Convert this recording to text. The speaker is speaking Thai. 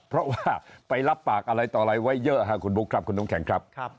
ไปรับบากอะไรต่อไว้เยอะ